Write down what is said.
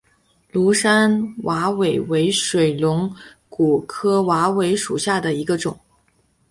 庐山瓦韦为水龙骨科瓦韦属下的一个种。